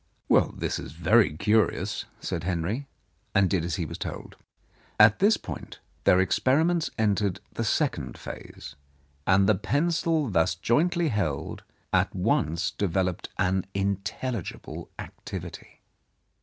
"Well, that is very curious," said Henry, and did as he was told. 178 Mrs. Andrews's Control At this point their experiments entered the second phase, and the pencil thus jointly held at once deve loped an intelligible activity.